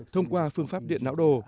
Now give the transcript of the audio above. thông qua phương pháp điện não đồ